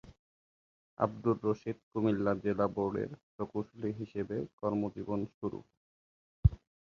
আব্দুর রশিদ কুমিল্লা জেলা বোর্ডের প্রকৌশলী হিসেবে কর্মজীবন শুরু।